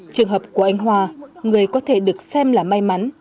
trường hợp của anh hoa người có thể được xem là may mắn